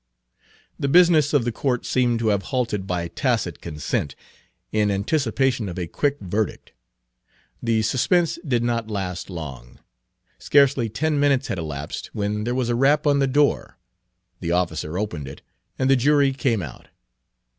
The business of the court seemed to have halted by tacit consent, in anticipation of a quick verdict. The suspense did not last long. Scarcely ten minutes had elapsed when there was a rap on the door, the officer opened it, and the jury came out.